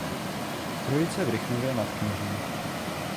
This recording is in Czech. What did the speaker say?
Trojice v Rychnově nad Kněžnou.